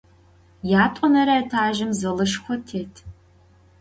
Yat'onere etajjım zalışşxo têt.